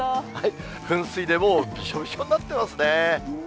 噴水でもうびしょびしょになっていますね。